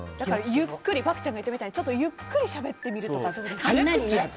漠ちゃんが言ったみたいにゆっくりしゃべってみるとか。